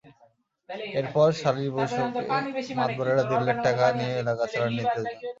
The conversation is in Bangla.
এরপর সালিস বৈঠকে মাতবরেরা দেড় লাখ টাকা নিয়ে এলাকা ছাড়ার নির্দেশ দেন।